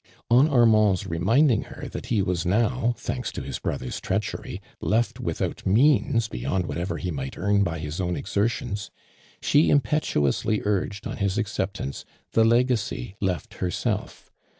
Oil Armand's reminding her that he was now, thanks to his brother's treachery, left without means beyond whatever he might earn by his own exertions, she impetuously urged on his acceptance the legacy left her self.